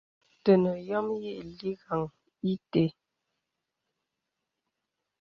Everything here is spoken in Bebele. Tənə yɔ̄m yì lìkgaŋ ìtə.